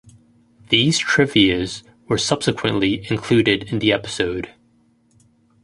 These trivias were subsequently included in the episode.